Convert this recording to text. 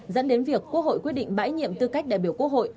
dẫn đến việc quốc hội quyết định bãi nhiệm tư cách đại biểu quốc hội